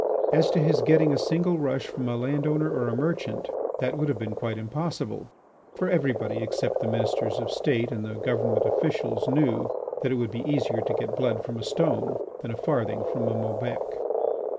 As to his getting a single rush from a land owner or a merchant, that would have been quite impossible, for everybody except the Ministers of State and the Government officials knew that it would be easier to get blood from a stone than a farthing from a Maubec.